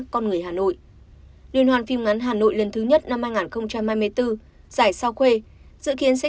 con người hà nội liên hoàn phim ngắn hà nội lần thứ nhất năm hai nghìn hai mươi bốn giải sao khuê dự kiến sẽ